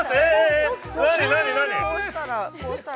◆こうしたら。